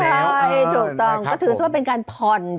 ใช่ถูกต้องก็ถือว่าเป็นการผ่อน